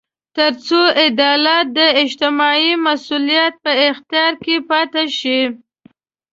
تر څو عدالت د اجتماعي مسوولیت په اختیار کې پاتې شي.